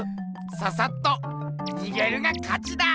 ささっとにげるがかちだ！